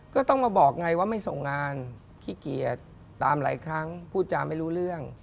ก็ต้องมาบอกไงว่าไม่ส่งงานขี้เกียจตามหลายครั้งพูดจาไม่รู้เรื่อง